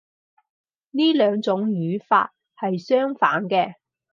呢兩種語法係相反嘅